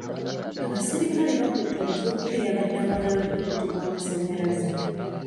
Abaserikale baakutte omuvubuka eyabadde awalampye omuti gw'amasannyalaze.